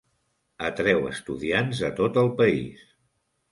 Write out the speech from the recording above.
Atreu estudiants de tot el país.